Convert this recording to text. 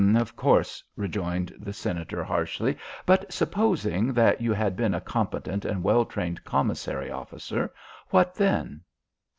"Of course," rejoined the Senator harshly. "But supposing that you had been a competent and well trained commissary officer. What then?"